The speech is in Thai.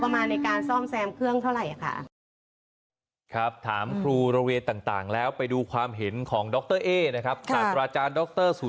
ไม่คุ้งค่าค่ะอยากให้ใช้งบประมาณในการจัดสรรด้านครู